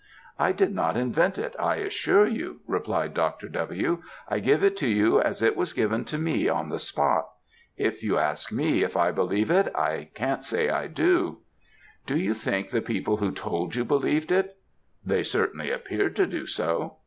"I did not invent it, I assure you," replied Dr. W.; "I give it you as it was given to me on the spot. If you ask me if I believe it, I can't say I do." "Do you think the people who told you believed it?" "They certainly appeared to do so."